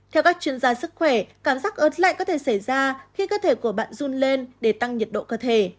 theo các chuyên gia sức khỏe cảm giác ớt lại có thể xảy ra khi cơ thể của bạn run lên để tăng nhiệt độ cơ thể